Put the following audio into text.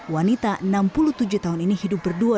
wanita enam puluh tujuh tahun ini hidup berdua